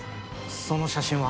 その写真は？